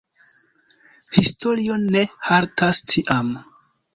Historio ne haltas tiam.